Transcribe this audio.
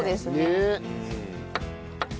ねえ。